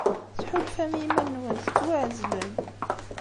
Tḥulfam i yiman-nwen tettwaɛezlem.